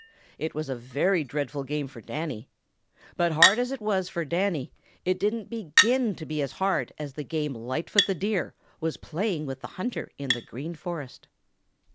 It was a very dreadful game for Danny. But hard as it was for Danny, it didn't begin to be as hard as the game Lightfoot the Deer was playing with the hunter in the Green Forest.